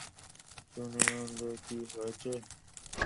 ইউনি-মাইন্ডের কী হয়েছে?